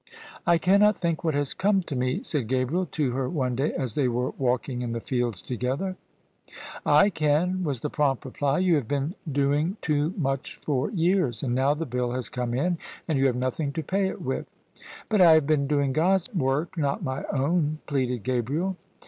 " I cannot think what has come to me," said Gabriel to her one day as they were walking in the fields together. " I can," was the prompt reply :" you have been doing [i6o] OF ISABEL CARNABY too much for years: and now the bill has come in, and you have nothing to pay it with." " But I have been doing God's work, not my own," pleaded Gabriel.